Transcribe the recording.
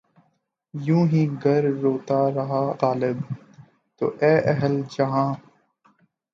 یوں ہی گر روتا رہا غالب! تو اے اہلِ جہاں